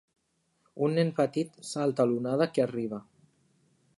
Un nen petit salta l'onada que arriba.